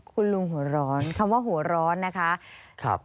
คุณลุงหัวร้อนคำว่าหัวร้อนนะคะ